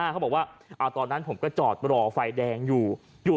เขาบอกว่าตอนนั้นผมก็จอดรอไฟแดงอยู่